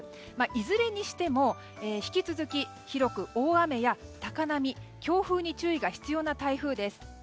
いずれにしても引き続き広く大雨や高波、強風に注意が必要な台風です。